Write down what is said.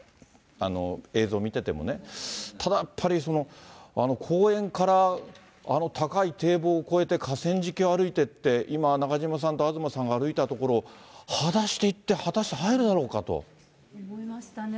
映像見ててもね、ただやっぱり、公園からあの高い堤防を越えて河川敷を歩いてって、今、中島さんと東さんが歩いた所をはだしで行って、果たして入るだろ思いましたね。